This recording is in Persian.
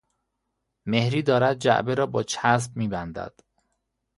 مهری دارد جعبه را با چسب میبندد.